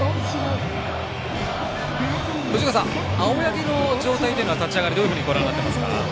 藤川さん、青柳の状態というのは立ち上がり、どういうふうにご覧になっていますか？